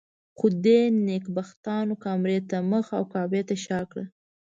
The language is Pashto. خو دې نېکبختانو کامرې ته مخ او کعبې ته شا کړه.